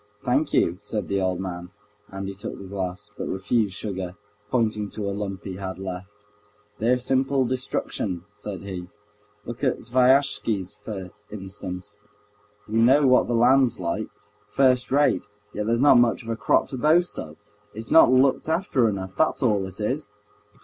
"Thank you," said the old man, and he took the glass, but refused sugar, pointing to a lump he had left. "They're simple destruction," said he. "Look at Sviazhsky's, for instance. We know what the land's like—first rate, yet there's not much of a crop to boast of. It's not looked after enough—that's all it is!"